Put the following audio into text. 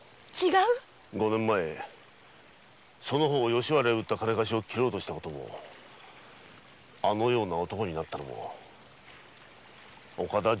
五年前その方を吉原に売った金貸しを斬ろうとした事もあのような男になったのも岡田陣八郎自身のせいなのだ。